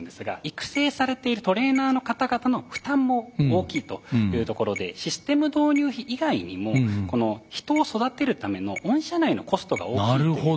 育成されているトレーナーの方々の負担も大きいというところでシステム導入費以外にもこの人を育てるための御社内のコストが大きいという。